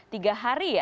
tiga hari ya